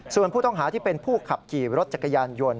ส่วนผู้ต้องหาที่เป็นผู้ขับขี่รถจักรยานยนต์